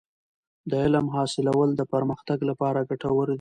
د علم حاصلول د پرمختګ لپاره ګټور دی.